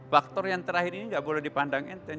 faktor yang terakhir ini tidak boleh dipandangkan